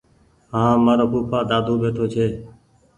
هآنٚ مآرو ڦوڦآ دادو ٻيٺو ڇي